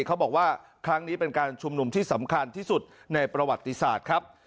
เขาบอกว่าครั้งนี้เป็นการชุมนุมที่สำคัญที่สุดในประวัติศาสตร์ครับ